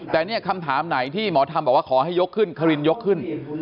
แต่เนี่ยคำถามไหนที่หมอธรรมบอกว่าขอให้ยกขึ้นคลินยกขึ้น